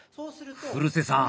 古瀬さん